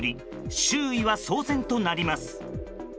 周囲は騒然となります。